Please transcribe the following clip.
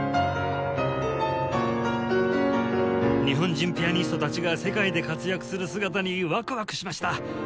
日本人ピアニストたちが世界で活躍する姿にワクワクしました！